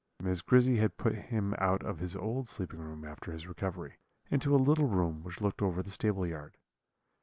"Miss Grizzy had put him out of his old sleeping room after his recovery, into a little room which looked over the stable yard.